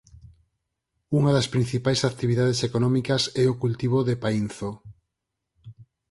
Unha das principais actividades económicas é o cultivo de paínzo.